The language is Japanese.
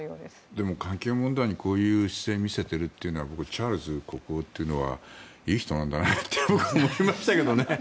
でも、環境問題にこういう姿勢を見せていてチャールズ国王というのはいい人なんだなと思いましたけどね。